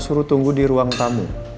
suruh tunggu di ruang tamu